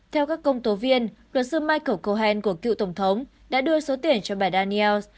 theo các công tố viên luật sư michael cohen của cựu tổng thống đã đưa số tiền cho bài daniels